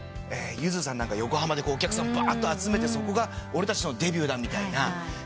ゆずさんなんか横浜でお客さんばーっと集めてそこが俺たちのデビューだみたいな。